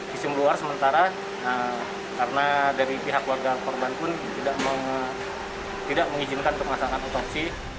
visum luar sementara karena dari pihak keluarga korban pun tidak mengizinkan untuk melaksanakan otopsi